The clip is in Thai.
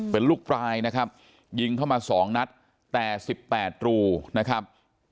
เป็นลูกปลายนะครับยิงเข้ามา๒นัดแต่๑๘รูนะครับ